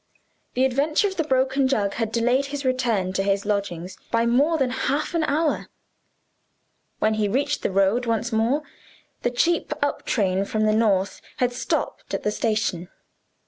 The adventure of the broken jug had delayed his return to his lodgings by more than half an hour. When he reached the road once more, the cheap up train from the North had stopped at the station.